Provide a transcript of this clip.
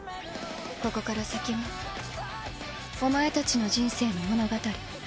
ここから先はお前たちの人生の物語。